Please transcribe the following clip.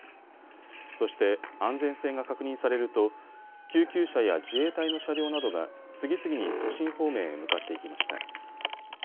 そして安全性が確認されると救急車や自衛隊の車両などが次々に都心方面へ向かっていきました。